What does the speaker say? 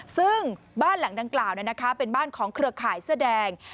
ซึ่งบ้านหลังดังกล่าวเป็นบ้านของเครือข่ายเสื้อแดง